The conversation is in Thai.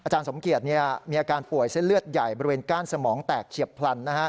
สมเกียจมีอาการป่วยเส้นเลือดใหญ่บริเวณก้านสมองแตกเฉียบพลัน